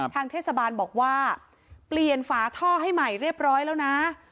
ทางเทศบาลบอกว่าเปลี่ยนฝาท่อให้ใหม่เรียบร้อยแล้วนะ